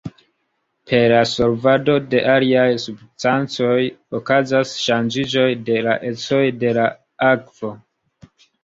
Per la solvado de aliaj substancoj okazas ŝanĝiĝoj de la ecoj de la akvo.